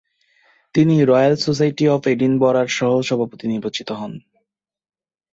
তিনি royal society of এডিনবরা'র সহ-সভাপতি নির্বাচিত হন।